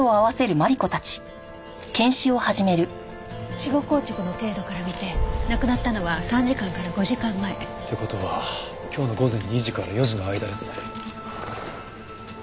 死後硬直の程度から見て亡くなったのは３時間から５時間前。って事は今日の午前２時から４時の間ですね。